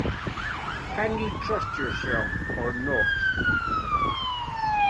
Can you trust yourself or not?